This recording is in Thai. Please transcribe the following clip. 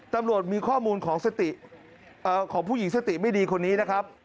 ตำรวจมีข้อมูลของสติของผู้หญิงสติไม่ดีคนนี้นะครับ